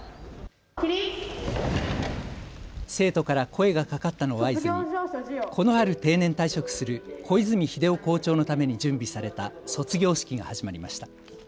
生徒から声がかかったのを合図にこの春、定年退職する小泉秀夫校長のために準備された卒業式が始まりました。